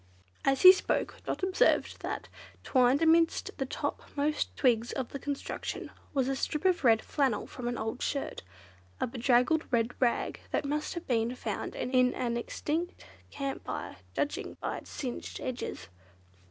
As he spoke, Dot observed that, twined amidst the topmost twigs of the construction was a strip of red flannel from an old shirt, a bedraggled red rag that must have been found in an extinct camp fire, judging by its singed edges.